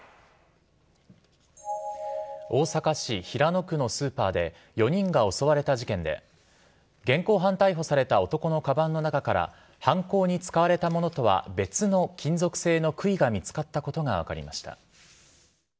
大阪市平野区のスーパーで、４人が襲われた事件で、現行犯逮捕された男のかばんの中から、犯行に使われたものとは別の金属製のくいが見つかったことが分かりました。